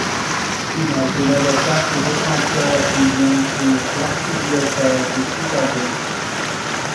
Il a été l'avocat et défenseur du lien pour l'Archidiocèse de Chicago.